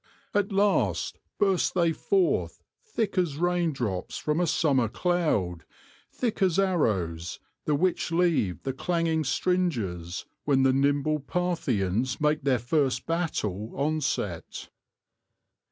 At last, burst they forth, thick as rain droppes from a summer cloude, thick as arrowes, the which leave the clanging stringes when the nimble Parthians make their first battle onset."